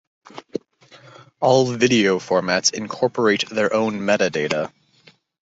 All video formats incorporate their own metadata.